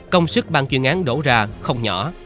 công sức băng chuyên án đổ ra không nhỏ